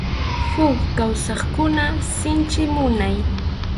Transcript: Huk kawsaqkuna sinchi munay.